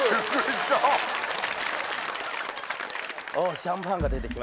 シャンパンが出て来ましたね。